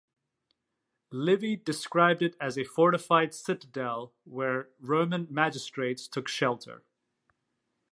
Livy described it as a fortified citadel where Roman magistrates took shelter.